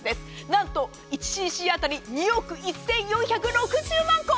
何と１ｃｃ当たり２億１４６０万個。